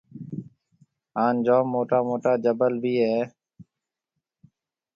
هانَ جوم موٽا موٽا جبل ڀِي هيَ۔